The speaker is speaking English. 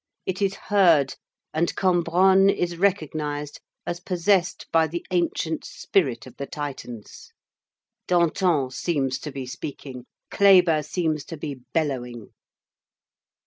It is heard, and Cambronne is recognized as possessed by the ancient spirit of the Titans. Danton seems to be speaking! Kléber seems to be bellowing!